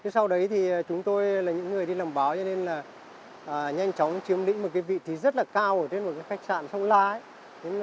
sau đấy thì chúng tôi là những người đi làm báo cho nên là nhanh chóng chiếm lĩnh một cái vị trí rất là cao ở trên một cái khách sạn sông la ấy